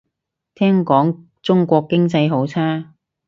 聽講中國經濟好差